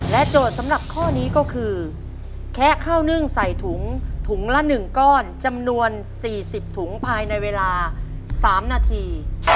โจทย์สำหรับข้อนี้ก็คือแคะข้าวนึ่งใส่ถุงถุงละ๑ก้อนจำนวน๔๐ถุงภายในเวลา๓นาที